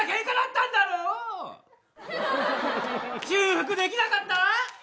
修復できなかった？